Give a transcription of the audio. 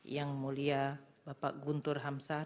yang mulia bapak guntur hamsan